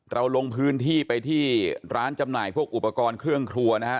เราลงพื้นที่ไปที่ร้านจำหน่ายพวกอุปกรณ์เครื่องครัวนะฮะ